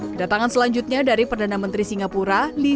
kedatangan selanjutnya dari perdana menteri singapura lee sian lung